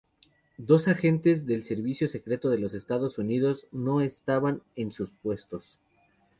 Dos agentes del Servicio Secreto de los Estados Unidos no estaban en sus puestos.